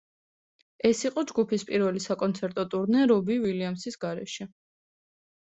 ეს იყო ჯგუფის პირველი საკონცერტო ტურნე რობი უილიამსის გარეშე.